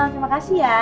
terima kasih ya